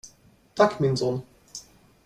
Tack min son.